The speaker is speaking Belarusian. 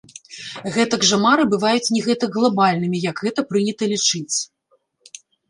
Гэтак жа мары бываюць не гэтак глабальнымі, як гэта прынята лічыць.